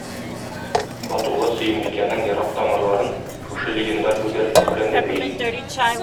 Батулла Сөембикәнең ерак тамырларын шушы легендар гүзәл кыз белән дә бәйли.